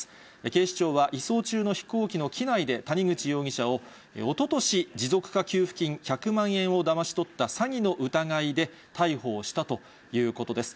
警視庁は、移送中の飛行機の機内で、谷口容疑者を、おととし、持続化給付金１００万円をだまし取った詐欺の疑いで逮捕をしたということです。